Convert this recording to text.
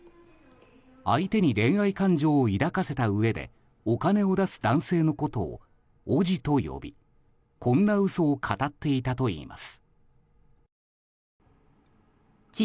相手に恋愛感情を抱かせたうえでお金を出す男性のことをおぢと呼び、こんな嘘をかたっていたといいます。